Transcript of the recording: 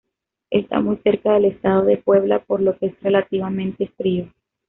Está muy cerca del estado de Puebla, por lo que es relativamente frío.